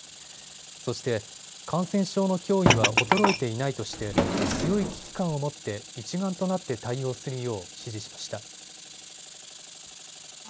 そして、感染症の脅威は衰えていないとして強い危機感を持って一丸となって対応するよう指示しました。